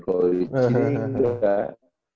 kalau di sini nggak